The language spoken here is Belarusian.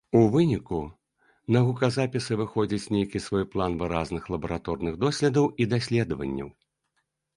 У выніку на гуказапісы выходзіць нейкі свой план выразных лабараторных доследаў і даследаванняў.